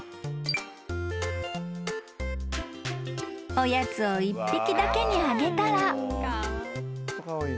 ［おやつを１匹だけにあげたら］